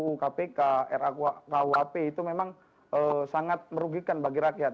ru kpk ru kuap itu memang sangat merugikan bagi rakyat